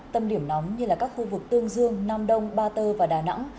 tâm điểm nóng như là các khu vực tương dương nam đông ba tơ và đà nẵng